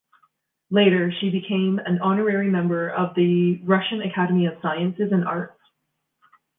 Later, she became an honorary member of the Russian Academy of Sciences and Arts.